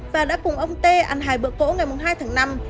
và đã cùng ông t ăn hai bữa cỗ ngày mùng hai tháng năm